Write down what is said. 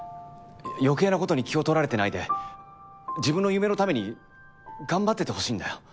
余計な事に気を取られてないで自分の夢のために頑張っててほしいんだよ。